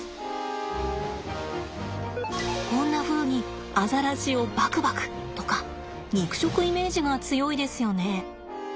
こんなふうにアザラシをばくばくとか肉食イメージが強いですよね。